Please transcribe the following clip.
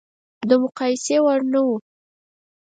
د مقایسې وړ نه و.